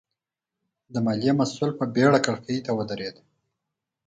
د ماليې مسوول په بېړه کړکۍ ته ودرېد.